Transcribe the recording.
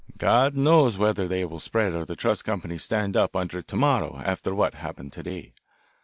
God knows whether they will spread or the trust companies stand up under it to morrow after what happened to day.